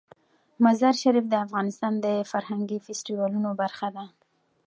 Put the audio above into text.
مزارشریف د افغانستان د فرهنګي فستیوالونو برخه ده.